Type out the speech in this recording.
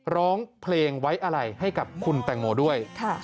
ร้องเพลงไว้อะไรให้กับคุณแตงโมด้วย